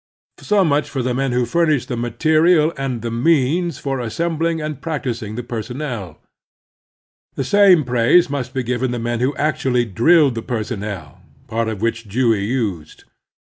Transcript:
So much for the men who furnished the material and the means for assembling and practising the personnel. The same praise must be given the Admiral Dewey 191 men who actually drilled the personnel, part of which Dewey used.